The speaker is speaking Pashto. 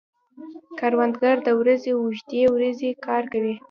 کروندګر د ورځې اوږدې ورځې کار کوي